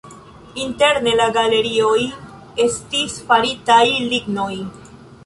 Interne la galerioj estis faritaj lignoj.